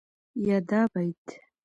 يا دا بيت